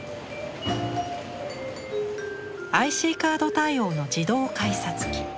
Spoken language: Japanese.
ＩＣカード対応の自動改札機。